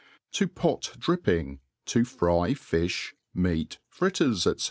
To pot Dripping, to fry Fifi^ Meatj Fritters ^ (fc.